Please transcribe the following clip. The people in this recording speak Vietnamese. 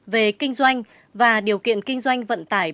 về kinh doanh và điều kiện kinh doanh vận tải